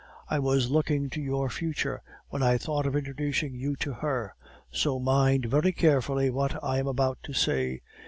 I was looking to your future when I thought of introducing you to her; so mind very carefully what I am about to say.